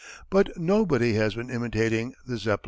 But nobody has been imitating the Zeppelins.